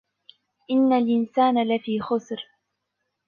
إن الإنسان لفي خسر